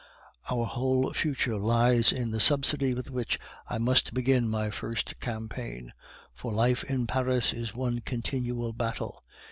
Our whole future lies in the subsidy with which I must begin my first campaign, for life in Paris is one continual battle.